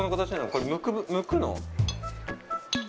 これむくの？